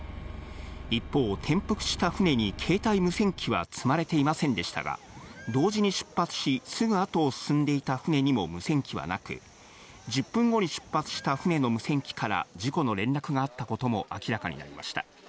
一方、転覆した船に携帯無線機は積まれていませんでしたが、同時に出発し、すぐ後を進んでいた船にも無線機はなく、１０分後に出発した船の無線機から事故の連絡があったことも明らかになりました。